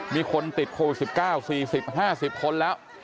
มีคนติดโควิด๑๙๔๐๕๐คนแล้ว